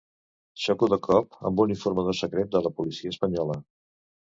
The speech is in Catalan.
Xoco de cop amb un informador secret de la policia espanyola.